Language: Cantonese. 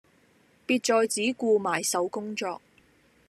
別再只顧埋首工作